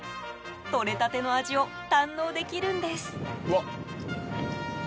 とれたての味を堪能できるんです。